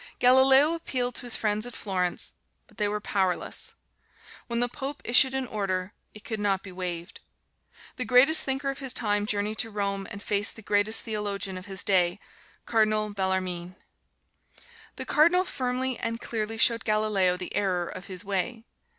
Galileo appealed to his friends at Florence, but they were powerless. When the Pope issued an order, it could not be waived. The greatest thinker of his time journeyed to Rome and faced the greatest theologian of his day, Cardinal Bellarmine. The Cardinal firmly and clearly showed Galileo the error of his way.